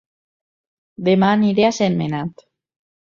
Dema aniré a Sentmenat